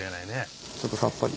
ちょっとさっぱり。